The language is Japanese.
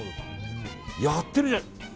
やってるじゃない。